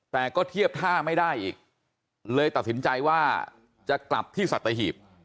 แต่ก็เทียบท่าไม่ได้อีกเลยตัดสินใจว่าจะกลับที่สัตหีบ